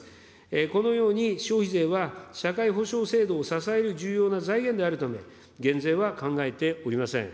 このように消費税は、社会保障制度を支える重要な財源であるため、減税は考えておりません。